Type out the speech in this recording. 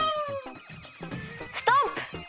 ストップ！